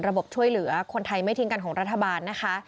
ช่วยเหลือคนไทยไม่ทิ้งกันของรัฐบาลนะคะ